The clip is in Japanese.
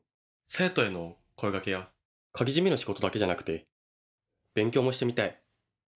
生徒への声かけや鍵閉めの仕事だけじゃなくて勉強もしてみたい。